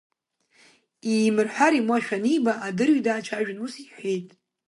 Иимырҳәар имуашәа аниба, адырҩ даацәажәан, ус иҳәеит…